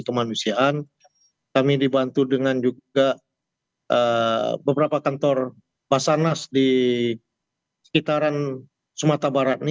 kami dibantu dengan juga beberapa kantor basanas di sekitaran sumatera barat